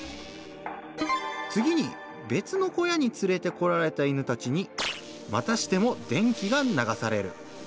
次にべつの小屋につれてこられた犬たちにまたしても電気が流される。